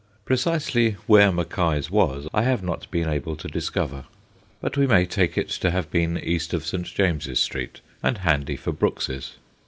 Precisely where Mackie's was, I have not been able to discover, but we may take it to have been east of St. James's Street, and handy for Brooks's.